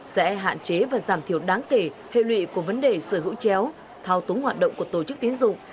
sẽ hạn chế và giảm thiểu đáng kể hệ lụy của vấn đề sở hữu chéo thao túng hoạt động của tổ chức tiến dụng